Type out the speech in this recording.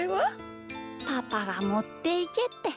パパがもっていけって。